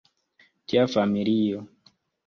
Tia familio.